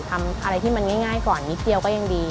ทำอะไรที่มันง่ายก่อนนิดเดียวก็ยังดี